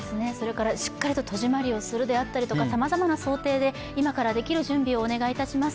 しっかりと戸締まりをするであったりとか、さまざまな想定で今からできる準備をお願いいたします。